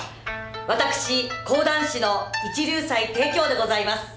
私講談師の一龍斎貞鏡でございます。